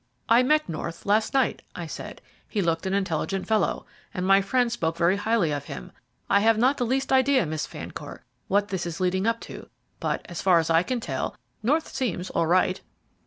"I met North last night," I said. "He looked an intelligent fellow, and my friend spoke very highly of him. I have not the least idea, Miss Fancourt, what this is leading up to, but, as far as I can tell, North seems all right."